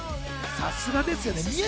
さすがですね。